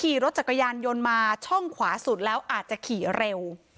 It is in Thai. ขี่รถจักรยานยนต์มาช่องขวาสุดแล้วอาจจะขี่เร็ว